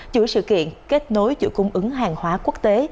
chuỗi sự kiện kết nối chuỗi cung ứng hàng hóa quốc tế